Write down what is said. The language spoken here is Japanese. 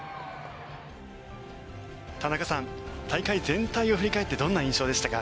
田中さん、大会全体を振り返ってどんな印象でしたか？